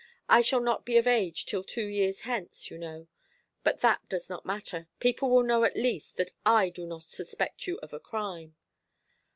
I shall not be of age till two years hence, you know; but that does not matter. People will know at least that I do not suspect you of a crime."